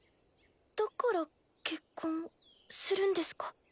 だから結婚するんですか？